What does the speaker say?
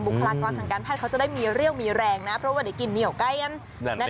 คลากรทางการแพทย์เขาจะได้มีเรี่ยวมีแรงนะเพราะว่าได้กินเหนียวไกลกัน